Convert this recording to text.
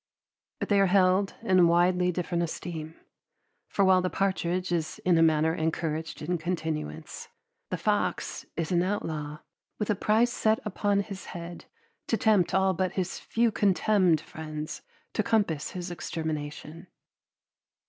But they are held in widely different esteem, for while the partridge is in a manner encouraged in continuance, the fox is an outlaw, with a price set upon his head to tempt all but his few contemned friends to compass his extermination.